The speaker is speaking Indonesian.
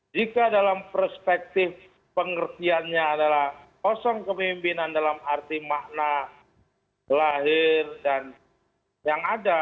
jika dalam perspektif pengertiannya adalah kosong kemimpinan dalam arti makna lahir dan yang ada